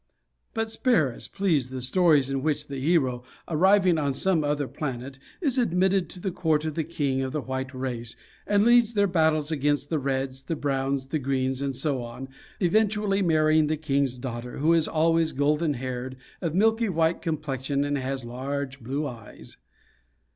But spare us, please the stories in which the hero, arriving on some other planet, is admitted to the court of the king of the White race, and leads their battles against the Reds, the Browns, the Greens, and so on, eventually marrying the king's daughter, who is always golden haired, of milky white complexion, and has large blue eyes.